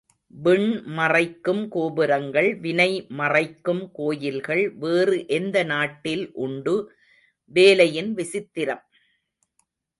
விண் மறைக்கும் கோபுரங்கள் வினை மறைக்கும் கோயில்கள் வேறு எந்த நாட்டில் உண்டு வேலையின் விசித்திரம்?